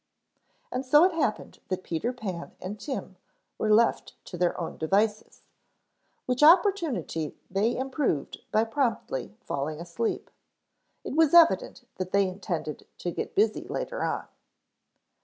And so it happened that Peter Pan and Tim were left to their own devices, which opportunity they improved by promptly falling asleep. It was evident that they intended to get busy later on.